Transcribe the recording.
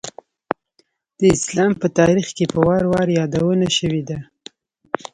د اسلام په تاریخ کې په وار وار یادونه شوېده.